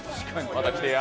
また来てや。